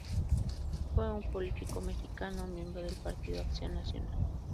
Fue un político mexicano, miembro del Partido Acción Nacional.